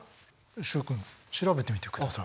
習君調べてみてください。